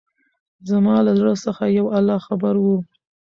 زما له زړه څخه يو الله خبر وو.